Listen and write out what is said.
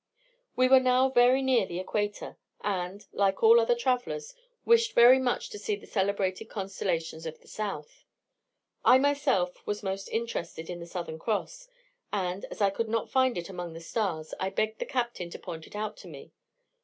We were now very near the Equator, and, like all other travellers, wished very much to see the celebrated constellations of the south. I myself was most interested in the Southern Cross; and, as I could not find it among the stars, I begged the captain to point it out to me.